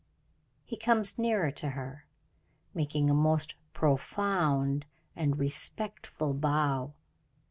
He comes nearer to her, making a most profound and respectful bow.